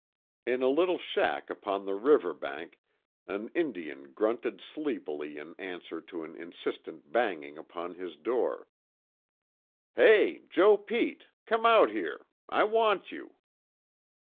In a little shack upon the river bank, an Indian grunted sleepily in answer to an insistent banging upon his door: "Hey, Joe Pete, come out here! I want you!"